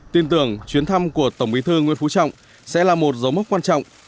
tin tưởng chuyến thăm của tổng bí thư nguyễn phú trọng sẽ là một dấu mốc quan trọng